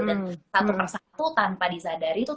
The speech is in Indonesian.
dan satu persatu tanpa disadari tuh